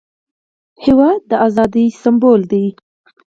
هېواد د ازادۍ سمبول دی.